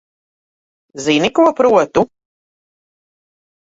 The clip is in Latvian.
Zini, ko protu?